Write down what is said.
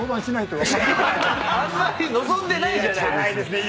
あんまり望んでないじゃないですか。